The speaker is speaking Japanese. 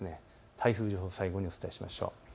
台風は最後にお伝えしましょう。